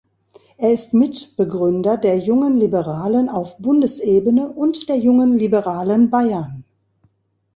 Er ist Mitbegründer der Jungen Liberalen auf Bundesebene und der Jungen Liberalen Bayern.